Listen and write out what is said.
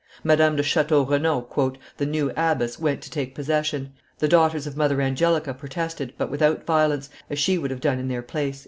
Madame de Chateau Renaud, "the new abbess, went to take possession; the daughters of Mother Angelica protested, but without violence, as she would have done in their place."